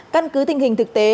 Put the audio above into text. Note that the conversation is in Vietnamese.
căn cứ tình hình thực tế